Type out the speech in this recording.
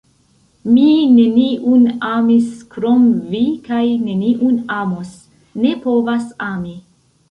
Mi neniun amis krom vi kaj neniun amos, ne povas ami!